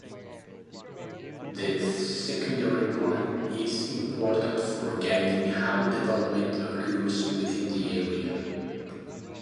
The Secondary Plan is important for guiding how development occurs within the area.